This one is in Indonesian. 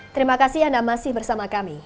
terima kasih anda masih bersama kami